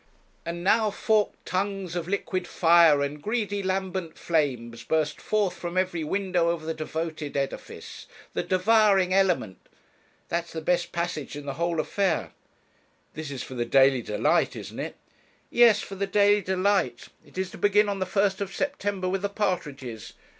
'And now forked tongues of liquid fire, and greedy lambent flames burst forth from every window of the devoted edifice. The devouring element .' That's the best passage in the whole affair.' 'This is for the Daily Delight, isn't it?' 'Yes, for the Daily Delight. It is to begin on the 1st of September with the partridges.